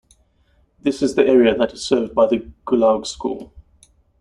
This is the area that is served by the Gullaug school.